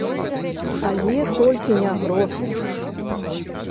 Але толькі не грошы.